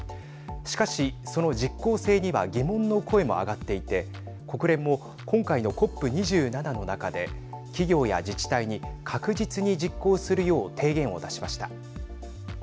しかし、その実効性には疑問の声も上がっていて国連も今回のＣＯＰ２７の中で企業や自治体に確実に実行するよう提言を出しました。